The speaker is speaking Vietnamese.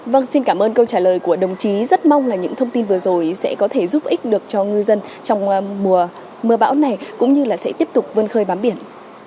vâng xin cảm ơn câu trả lời của đồng chí rất mong là những thông tin vừa rồi sẽ có thể giúp ích được cho ngư dân trong mùa mưa bão này cũng như là sẽ tiếp tục vươn khơi bám biển